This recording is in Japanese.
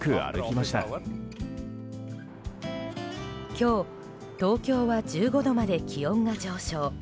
今日、東京は１５度まで気温が上昇。